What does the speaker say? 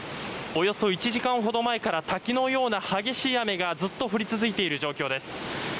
およそ１時間ほど前から滝のような激しい雨がずっと降り続いている状況です。